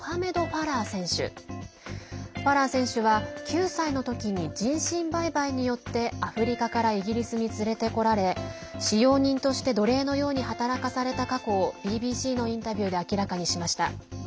ファラー選手は９歳のときに人身売買によってアフリカからイギリスに連れてこられ使用人として奴隷のように働かされた過去をＢＢＣのインタビューで明らかにしました。